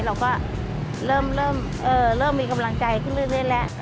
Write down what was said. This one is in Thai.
เราก็เริ่มมีกำลังใจขึ้นเรื่อยแล้ว